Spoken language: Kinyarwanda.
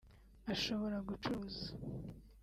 ashobora gucuruza